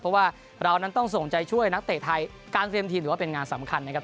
เพราะว่าเรานั้นต้องส่งใจช่วยนักเตะไทยการเตรียมทีมถือว่าเป็นงานสำคัญนะครับ